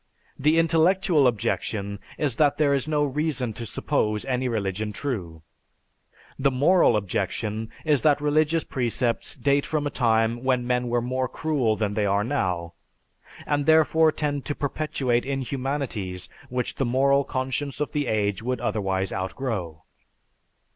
The intellectual objection is that there is no reason to suppose any religion true; the moral objection is that religious precepts date from a time when men were more cruel than they are now, and therefore tend to perpetuate inhumanities which the moral conscience of the age would otherwise outgrow."